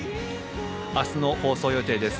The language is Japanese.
明日の放送予定です。